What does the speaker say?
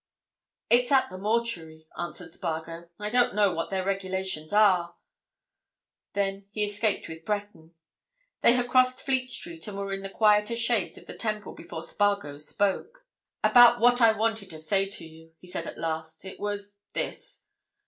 "It's at the mortuary," answered Spargo. "I don't know what their regulations are." Then he escaped with Breton. They had crossed Fleet Street and were in the quieter shades of the Temple before Spargo spoke. "About what I wanted to say to you," he said at last. "It was—this.